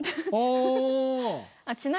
ああ。